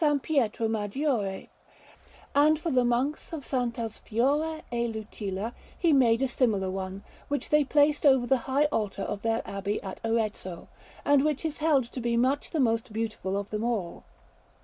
Pietro Maggiore; and for the Monks of SS. Fiora e Lucilla he made a similar one, which they placed over the high altar of their abbey at Arezzo, and which is held to be much the most beautiful of them all.